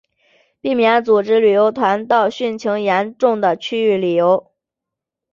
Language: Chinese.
避免组织旅游团到汛情严重的区域旅游